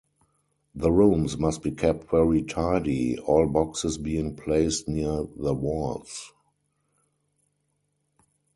The rooms must be kept very tidy, all boxes being placed near the walls.